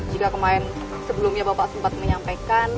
jika kemarin sebelumnya bapak sempat menyampaikan